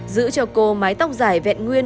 giữ cho cô mái tóc dài vẹn nguyên